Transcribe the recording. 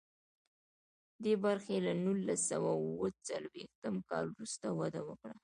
دې برخې له نولس سوه اوه څلویښتم کال وروسته وده وکړه.